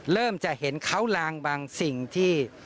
เริ่มจะเห็นเขาลางบางสิ่งที่